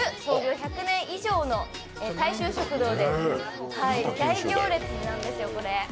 １００年以上の大衆食堂で大行列なんですよ、これ。